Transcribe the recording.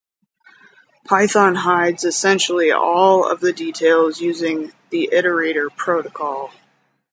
Python hides essentially all of the details using the iterator protocol.